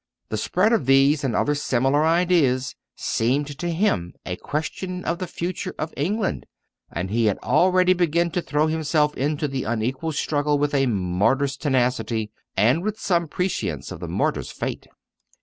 The spread of these and other similar ideas seemed to him a question of the future of England; and he had already begun to throw himself into the unequal struggle with a martyr's tenacity, and with some prescience of the martyr's fate.